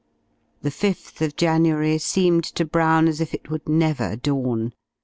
The 5th of January seemed to Brown as if it would never dawn!